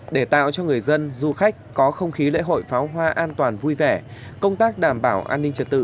để tạo cho người dân du khách có không khí lễ hội pháo hoa an toàn vui vẻ công tác đảm bảo an ninh trật tự